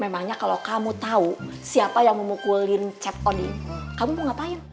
memangnya kalau kamu tahu siapa yang memukulin cep odin kamu mau ngapain